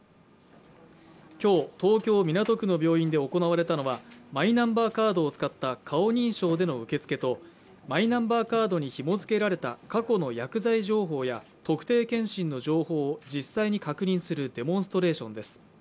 今日、東京・港区の病院で行われたのはマイナンバーカードを使った顔認証での受け付けとマイナンバーカードにひも付けられた過去の薬剤情報や特定健診の情報を実際に確認するデモンストレーションです。